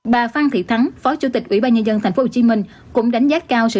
bà phan thị thắng phó chủ tịch ủy ban nhân dân thành phố hồ chí minh cũng đánh giá cao sự